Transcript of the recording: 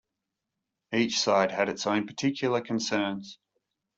Each side had its own particular concerns.